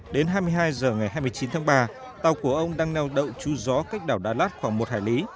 đến hai mươi hai h ngày hai mươi chín tháng ba tàu của ông đang neo đậu chú gió cách đảo đá lát khoảng một hải lý